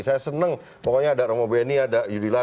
saya seneng pokoknya ada romo beni ada yudi latif